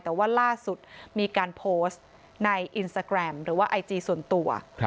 แต่ว่าล่าสุดมีการโพสต์ในอินสตาแกรมหรือว่าไอจีส่วนตัว